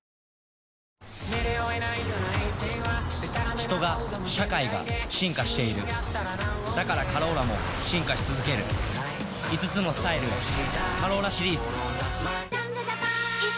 人が社会が進化しているだから「カローラ」も進化し続ける５つのスタイルへ「カローラ」シリーズ